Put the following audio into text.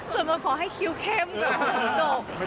สวดมนต์คือสวดมนต์